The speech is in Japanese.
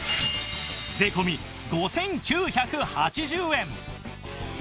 税込５９８０円